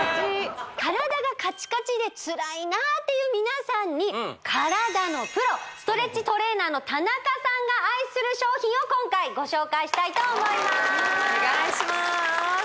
体がカチカチでつらいなっていう皆さんに体のプロストレッチトレーナーの田中さんが愛する商品を今回ご紹介したいと思いますお願いしまーす